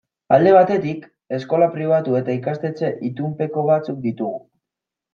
Alde batetik, eskola pribatu eta ikastetxe itunpeko batzuk ditugu.